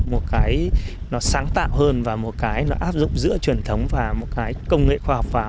một cái nó sáng tạo hơn và một cái nó áp dụng giữa truyền thống và một cái công nghệ khoa học vào